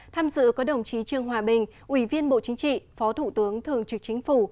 tham dự có đồng chí trương hòa bình ủy viên bộ chính trị phó thủ tướng thường trực chính phủ